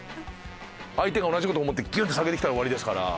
相手が同じ事思ってギュンッて下げてきたら終わりですから。